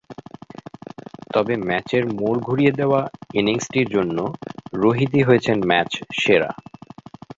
তবে ম্যাচের মোড় ঘুরিয়ে দেওয়া ইনিংসটির জন্য রোহিতই হয়েছেন ম্যাচ সেরা।